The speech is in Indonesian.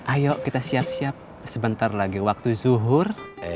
ayo kita siap siap sebentar lagi waktu zuhur